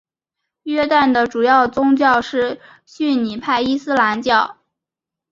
约旦的主要宗教是逊尼派伊斯兰教。